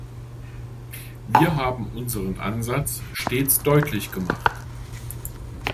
Wir haben unseren Ansatz stets deutlich gemacht.